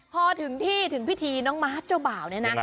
พอถึงที่ถึงพิธีน้องมาร์ทเจ้าบ่าวเนี่ยนะ